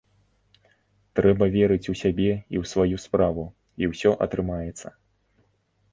Трэба верыць у сябе і ў сваю справу, і ўсё атрымаецца.